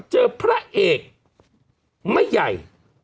พระเอกไม่ใหญ่